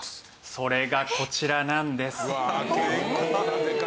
それがこちらなんです。